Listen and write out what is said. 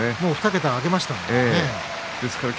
２桁、挙げましたからね。